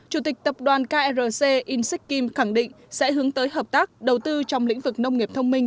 chủ tịch tập đoàn krc in sik kim khẳng định sẽ hướng tới hợp tác đầu tư trong lĩnh vực nông nghiệp thông minh